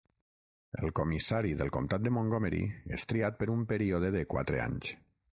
El comissari del comtat de Montgomery, és triat per un període de quatre anys